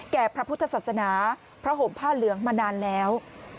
แก่พระพุทธศาสนาพระโหมภาลเหลืองมานานแล้ว